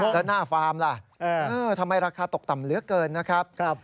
แล้วหน้าฟาร์มล่ะทำไมราคาตกต่ำเหลือเกินนะครับ